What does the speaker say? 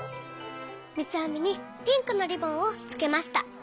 みつあみにピンクのリボンをつけました。